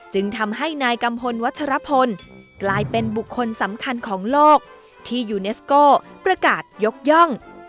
จึงทำให้นายกัมพลวัชรพลกลายเป็นบุคคลสำคัญของโลกที่ยูเนสโก้ประกาศยกย่อง